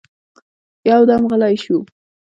يودم غلی شو.